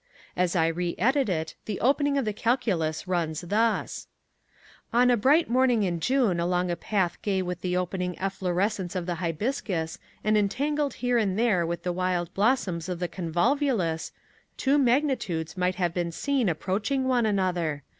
As I re edit it the opening of the Calculus runs thus: On a bright morning in June along a path gay with the opening efflorescence of the hibiscus and entangled here and there with the wild blossoms of the convolvulus, two magnitudes might have been seen approaching one another.